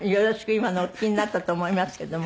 今のお聞きになったと思いますけども。